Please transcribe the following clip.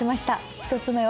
１つ目は。